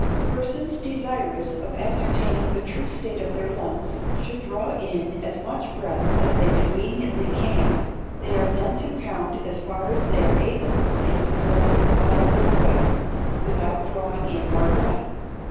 Persons desirous of ascertaining the true state of their lungs should draw in as much breath as they conveniently can, they are then to count as far as they are able, in a slow and audible voice, without drawing in more breath.